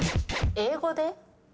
英語で？